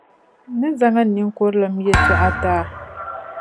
N ni zaŋ n ninkurilim yɛtɔɣa ti a.